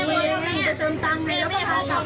กลับทางด้านไรของลูก